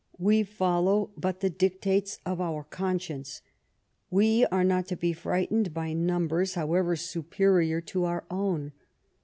We follow but the dictates of our conscience. We are not to be frightened by numbers, however superior to our own.